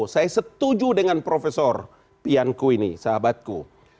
saya setuju dengan profesor pianku ini sahabatku